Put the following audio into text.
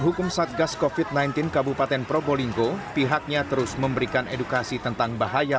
hukum satgas covid sembilan belas kabupaten probolinggo pihaknya terus memberikan edukasi tentang bahaya